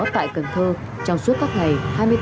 tại cần thơ trong suốt các ngày